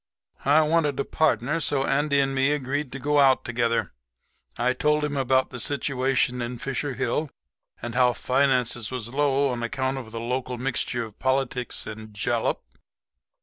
"I wanted a partner, so Andy and me agreed to go out together. I told him about the situation in Fisher Hill and how finances was low on account of the local mixture of politics and jalap.